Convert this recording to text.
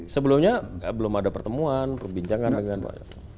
sebelumnya belum ada pertemuan perbincangan dengan pak jokowi